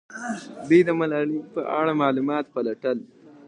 دوی د ملالۍ په اړه معلومات پلټل.